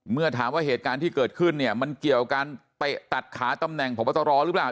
เมื่อถามว่าเหตุการณ์ที่เกิดขึ้นเนี่ยมันเกี่ยวการเตะตัดขาตำแหน่งพบตรหรือเปล่า